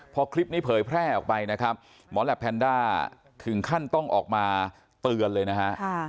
พอคลิปนี้เผยแพร่ออกไปนะครับหมอแหลปแพนด้าถึงขั้นต้องออกมาเตือนเลยนะฮะ